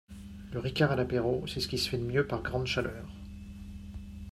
Le ricard à l'apéro c'est ce qui se fait de mieux par grande chaleur